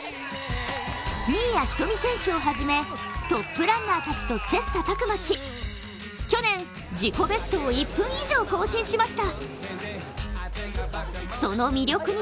新谷仁美選手を始め、トップランナーたちと切磋琢磨し去年、自己ベストを１分以上更新しました。